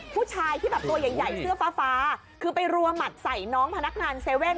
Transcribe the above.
ผู้ชายที่แบบตัวใหญ่เสื้อฟ้าคือไปรัวหมัดใส่น้องพนักงาน๗๑๑